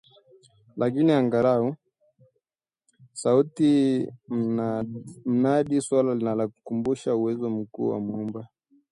lakini angalau sauti ya mnadi swala inanikumbusha uwezo mkuu wa muumba